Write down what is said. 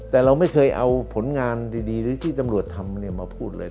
แต่เราไม่เคยเอาผลงานดีหรือที่ตำรวจทำมาพูดเลย